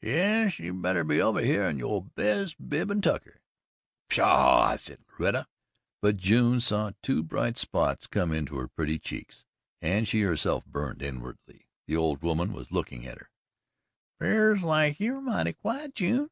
"Yes you better be over hyeh in yo' best bib and tucker." "Pshaw," said Loretta, but June saw two bright spots come into her pretty cheeks, and she herself burned inwardly. The old woman was looking at her. "'Pears like you air mighty quiet, June."